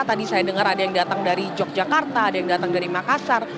tadi saya dengar ada yang datang dari yogyakarta ada yang datang dari makassar